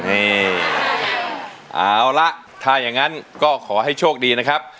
นี่เอาละถ้าอย่างนั้นก็ขอให้โชคดีนะครับ